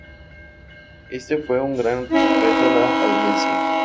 Este fue un gran reto a la audiencia.